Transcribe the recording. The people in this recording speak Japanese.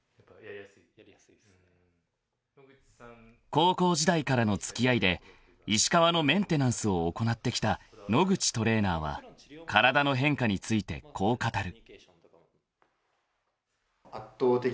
［高校時代からの付き合いで石川のメンテナンスを行ってきた野口トレーナーは体の変化についてこう語る］